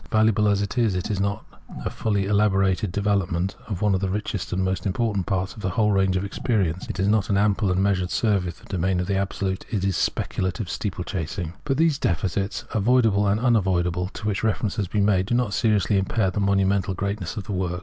Valuable as it is, it is not a fully elaborated development of one of the richest and most important parts of the whole range of experience : it is not an ample and measured survey of the domain of the Absolute ; it is speculative steeplechasing. But these defects, avoidable and unavoidable, to which reference has been made, do not seriously impair the monumental greatness of the work.